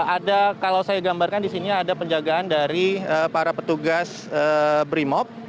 ada kalau saya gambarkan di sini ada penjagaan dari para petugas brimop